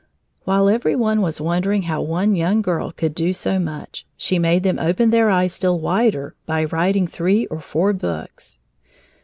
While every one was wondering how one young girl could do so much, she made them open their eyes still wider by writing three or four books.